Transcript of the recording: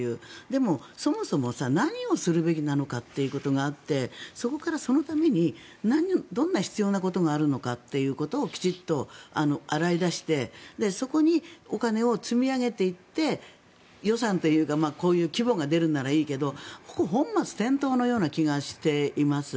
でも、そもそも何をするべきなのかってことがあってそこからそのためにどんな必要なことがあるのかということをきちんと洗い出してそこにお金を積み上げていって予算というかこういう規模が出るならいいけど本末転倒のような気がしています。